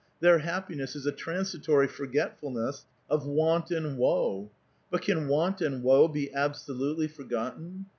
Their happiness is a transi tory foracetfulness of want and woe. But can want and woe be absolutely forgotten?